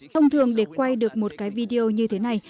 thông thường để quay được một cái video như thế này